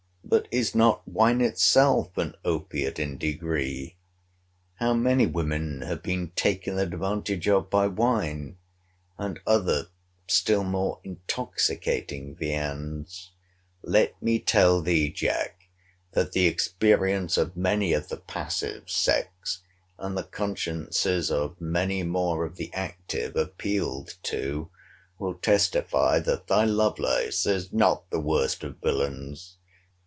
But is not wine itself an opiate in degree?—How many women have been taken advantage of by wine, and other still more intoxicating viands?—Let me tell thee, Jack, that the experience of many of the passive sex, and the consciences of many more of the active, appealed to, will testify that thy Lovelace is not the worst of villains.